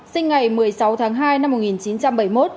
sinh ngày một mươi sáu tháng hai năm một nghìn chín trăm bảy mươi một